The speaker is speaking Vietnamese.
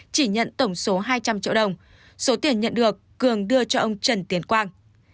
chỉ nhận tổng số hai trăm linh triệu đồng số tiền nhận được cường đưa cho ông trần tiến quang